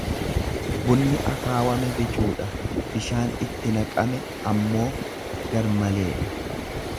Bunni akaawame bicuudha, bishaan itti naqame ammoo gar maleedha.